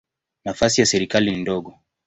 Nafasi ya serikali ni ndogo.